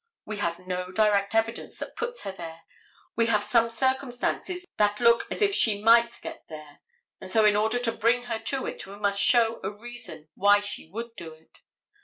We have no direct evidence that puts her there, we have some circumstances that look as if she might get there: and so in order to bring her to it, we must show a reason why she would do it.